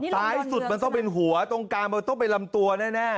ซ้ายสุดมันต้องเป็นหัวตรงกลางมันต้องเป็นลำตัวแน่